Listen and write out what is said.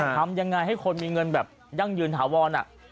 ทำยังไงให้คนมีเงินแบบยั่งยืนถาวร